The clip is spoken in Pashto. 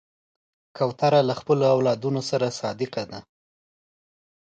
کوتره له خپلو اولادونو سره صادقه ده.